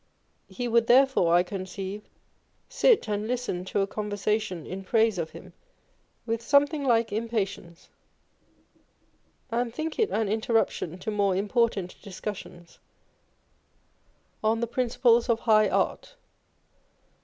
He would therefore, I conceive, sit and listen to a conversation in praise of him with something like impatience, and think it an interruption to more important discussions on the prin ciples of high art.